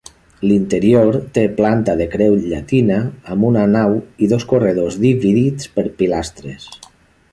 L'interior té planta de creu llatina amb una nau i dos corredors dividits per pilastres.